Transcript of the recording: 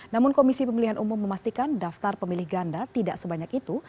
namun komisi pemilihan umum memastikan daftar pemilih ganda tidak sebanyak itu